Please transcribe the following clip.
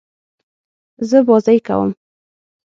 زه بازۍ کوم.